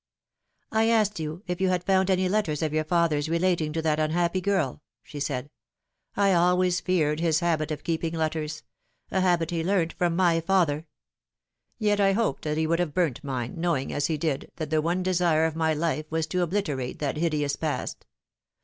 " I asked you if you had found any letters of your father's relating to that unhappy girl," she said. " I always feared his habit of keeping letters a habit he learnt from my f nther. Yet I hoped that he would have burnt mine, knowing, as he did, that the one desire of my life was to obliterate that hideous past.